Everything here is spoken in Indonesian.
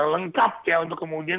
lengkap untuk kemudian